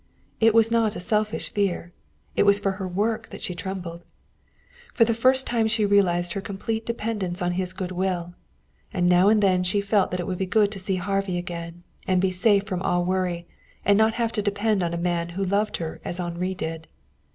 It was not a selfish fear. It was for her work that she trembled. For the first time she realized her complete dependence on his good will. And now and then she felt that it would be good to see Harvey again, and be safe from all worry, and not have to depend on a man who loved her as Henri did.